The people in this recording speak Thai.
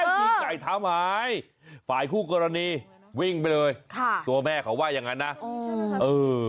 ยิงไก่ทำหายฝ่ายคู่กรณีวิ่งไปเลยค่ะตัวแม่เขาว่าอย่างนั้นนะเออ